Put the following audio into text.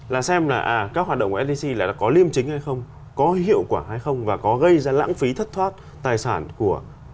là xem là các hoạt động sdc lại là có liêm chính hay không có hiệu quả hay không và có gây ra lãng phí thất thoát tài sản của